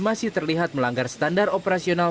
masih terlihat melanggar standar operasional